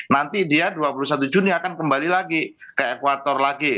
nanti dia dua puluh satu juni akan kembali lagi ke ekuator lagi